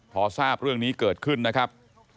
พอทราบเรื่องนี้เกิดขึ้นนะครับ